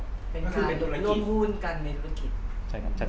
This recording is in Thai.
เป็นเรื่องร่วมหุ้นกันแบบนี้